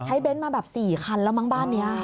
เบ้นมาแบบ๔คันแล้วมั้งบ้านนี้